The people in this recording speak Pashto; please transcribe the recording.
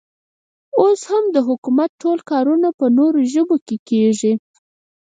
اوس هم د حکومت ټول کارونه په نورو ژبو کې کېږي.